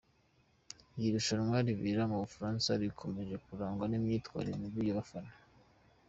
Iri rushanwa ribera mu Bufaransa rikomeje kurangwa n'imyitwarire mibi y'abafana.